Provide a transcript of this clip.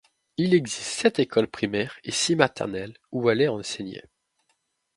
Il existe sept écoles primaires et six maternelles où elle est enseignée.